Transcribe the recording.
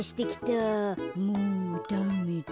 もうダメだ。